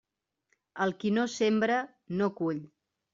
El qui no sembra, no cull.